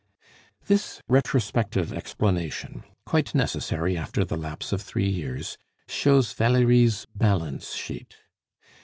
This retrospective explanation, quite necessary after the lapse of three years, shows Valerie's balance sheet.